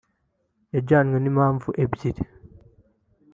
yajyanywe n’impamvu ebyiri